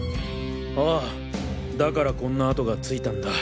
あぁだからこんな痕がついたんだ。